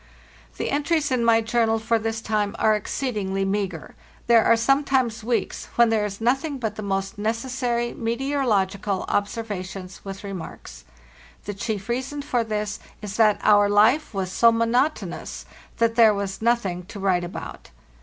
The entries in my journal for this time are exceed ingly meagre; there are sometimes weeks when there is nothing but the most necessary meteorological observa tions with remarks. The chief reason for this is that our life was so monotonous that there was nothing to write about.